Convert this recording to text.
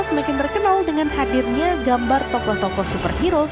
semakin terkenal dengan hadirnya gambar tokoh tokoh superhero